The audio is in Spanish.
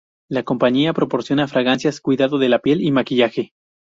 La compañía proporciona fragancias, cuidado de la piel y maquillaje.